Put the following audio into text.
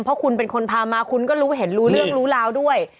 เพราะคุณเป็นคนพามาคุณก็รู้เห็นรู้เรื่องรู้ราวด้วย